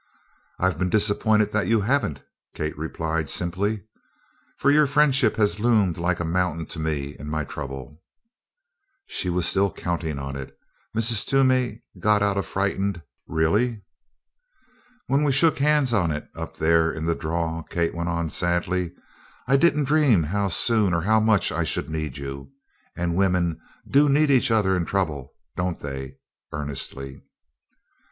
"I've been disappointed that you haven't," Kate replied, simply, "for your friendship has loomed like a mountain to me in my trouble." She was still counting on it! Mrs. Toomey got out a frightened: "Really?" "When we shook hands on it up there in the draw," Kate went on, sadly, "I didn't dream how soon or how much I should need you. And women do need each other in trouble, don't they?" earnestly.